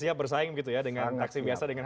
siap bersaing dengan taksi biasa dengan